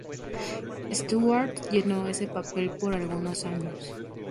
Stewart llenó ese papel por algunos años.